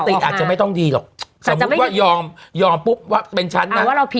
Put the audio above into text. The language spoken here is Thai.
จริงอาจจะไม่ต้องดีหรอกสมมุติว่ายอมยอมปุ๊บว่าเป็นฉันนะ